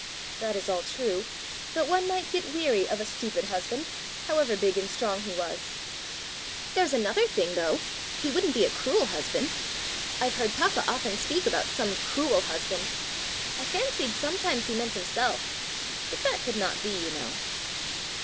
"That is all true; but one might get weary of a stupid husband, however big and strong he was." "There's another thing, though! he wouldn't be a cruel husband! I've heard papa often speak about some cruel husband! I fancied sometimes he meant himself; but that could not be, you know."